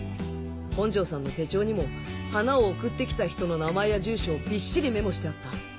本上さんの手帳にも花を送って来た人の名前や住所をびっしりメモしてあった。